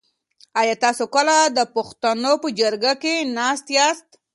آیا تاسو کله د پښتنو په جرګه کي ناست یاست؟